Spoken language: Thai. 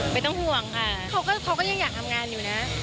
ไม่ต้องห่วงค่ะเขาก็ยังอยากทำงานอยู่นะ